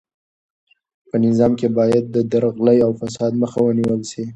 په نظام کې باید د درغلۍ او فساد مخه ونیول سي.